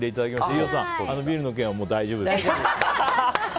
飯尾さん、ビールの件はもう大丈夫です。